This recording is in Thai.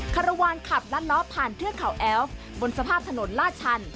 คารวาลขับลัดล้อผ่านเทือกเขาแอ้วบนสภาพถนนลาดชัน